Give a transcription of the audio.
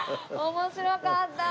面白かった。